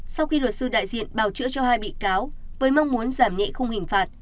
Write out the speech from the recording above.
sau khi luật sư đại diện bào chữa cho hai bị cáo với mong muốn giảm nhẹ không hình phạt